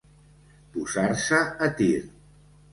Posar-se a tir.